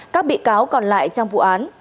các bị cáo còn lại trong vụ án